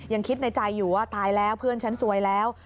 ยังคิดในใจอยู่ว่าตายแล้วเพื่อนฉันซวยแล้ว